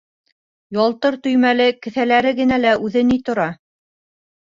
Ялтыр төймәле кеҫәләре генә лә үҙе ни тора?!